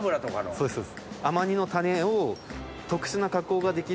そうです。